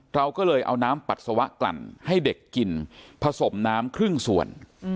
เราก็เลยเอาน้ำปัสสาวะกลั่นให้เด็กกินผสมน้ำครึ่งส่วน